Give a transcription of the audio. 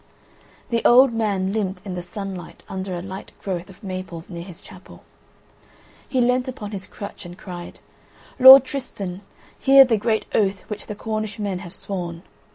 The old man limped in the sunlight under a light growth of maples near his chapel: he leant upon his crutch, and cried: "Lord Tristan, hear the great oath which the Cornish men have sworn.